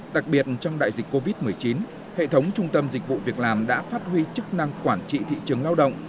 đặc biệt trong đại dịch covid một mươi chín hệ thống trung tâm dịch vụ việc làm đã phát huy chức năng quản trị thị trường lao động